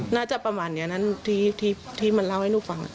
น่าจะประมาณนี้นั้นที่มันเล่าให้ลูกฟัง